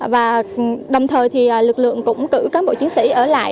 và đồng thời lực lượng cũng cử các bộ chiến sĩ ở lại